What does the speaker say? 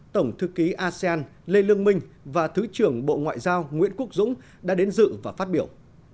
tổng thư ký asean lê lương minh và thứ trưởng bộ ngoại giao nguyễn quốc dũng đã đến dự và phát biểu